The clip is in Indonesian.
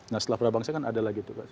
nah setelah prabangsa kan ada lagi